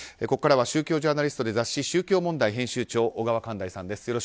ここからは宗教ジャーナリストで雑誌「宗教問題」編集長小川寛大さんです。